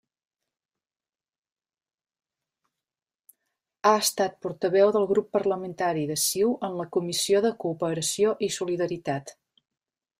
Ha estat portaveu del grup parlamentari de CiU en la Comissió de Cooperació i Solidaritat.